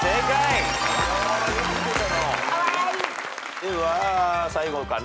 では最後かな？